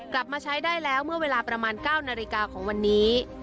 กลับมาใช้ได้แล้วเมื่อเวลาประมาณ๙นาฬิกาของวันนี้